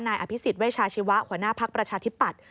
นายอภิษฎิเวชาชีวะหัวหน้าภาคประชาธิปัตย์